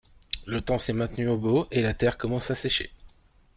Le temps s’est maintenu au beau et la terre commence à sécher.